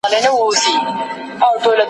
زده کړه مې له پخوانیو کسانو څخه پیل کړه.